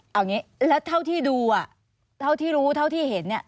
เอาอย่างนี้แล้วเท่าที่ดูเท่าที่รู้เท่าที่เห็นเนี่ย